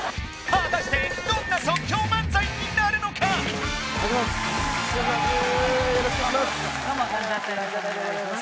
果たしてどんな即興漫才になるのか失礼します